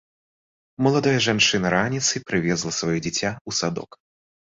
Маладая жанчына раніцай прывезла сваё дзіця ў садок.